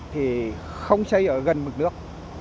thì không xây ở gần mực nước